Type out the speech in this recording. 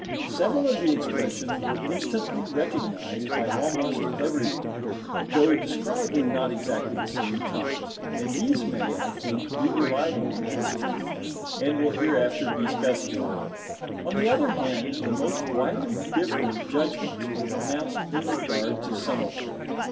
Several of the expressions were instantly recognised by almost everyone, though described in not exactly the same terms; and these may, I think, be relied on as truthful, and will hereafter be specified. On the other hand, the most widely different judgments were pronounced in regard to some of them.